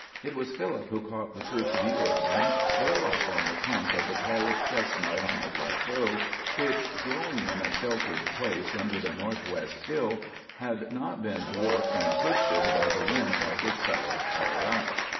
It was Philip who caught the first view of him well up on the trunk of the tallest chestnut on the plateau, which, growing in a sheltered place under the northwest hill, had not been dwarfed and twisted by the winds like its fellows higher up.